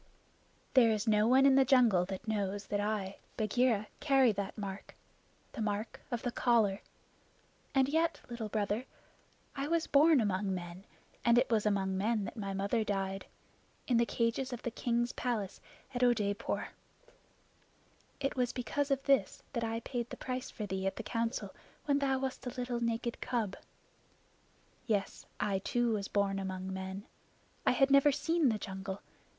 "There is no one in the jungle that knows that I, Bagheera, carry that mark the mark of the collar; and yet, Little Brother, I was born among men, and it was among men that my mother died in the cages of the king's palace at Oodeypore. It was because of this that I paid the price for thee at the Council when thou wast a little naked cub. Yes, I too was born among men. I had never seen the jungle.